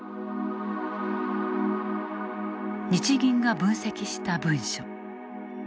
日銀が分析した文書。